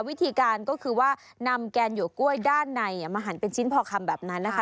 วิธีการก็คือว่านำแกนหวกกล้วยด้านในมาหันเป็นชิ้นพอคำแบบนั้นนะคะ